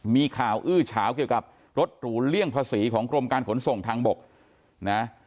มีข่าวอื้อเฉาเกี่ยวกับรถหรูเลี่ยงภาษีของกรมการขนส่งทางบกนะ